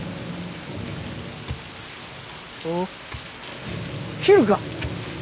おっ斬るか。